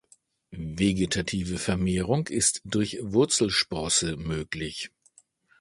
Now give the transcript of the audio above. Vegetative Vermehrung ist durch Wurzelsprosse möglich.